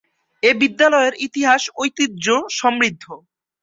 এ বিদ্যালয়ের ইতিহাস ঐতিহ্য সমৃদ্ধ।